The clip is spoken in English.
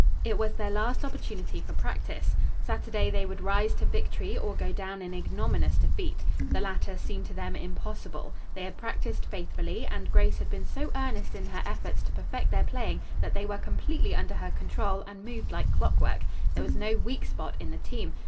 It was their last opportunity for practice. Saturday they would rise to victory or go down in ignominious defeat. The latter seemed to them impossible. They had practised faithfully, and Grace had been so earnest in her efforts to perfect their playing that they were completely under her control and moved like clockwork. There was no weak spot in the team.